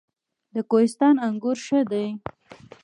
د کوهستان انګور ښه دي